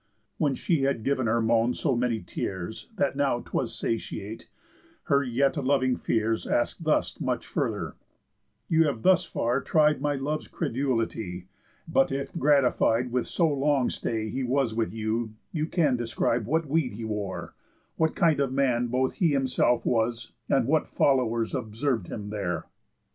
When she had giv'n her moan so many tears, That now 'twas satiate, her yet loving fears Ask'd thus much further: "You have thus far tried My love's credulity, but if gratified With so long stay he was with you, you can Describe what weed he wore, what kind of man Both he himself was, and what followers Observ'd him there."